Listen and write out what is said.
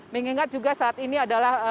mengingat juga saat ini adalah masa masing masing